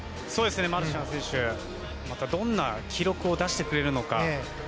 マルシャン選手またどんな記録を出してくれるのか。